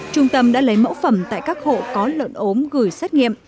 trung tâm đã lấy mẫu phẩm tại các hộ có lợn ốm gửi xét nghiệm